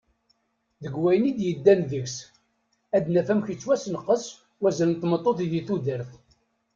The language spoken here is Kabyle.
Deg wayen i d-yeddan deg-s, ad naf amek ittwasenqes wazal n tmeṭṭut di tudert.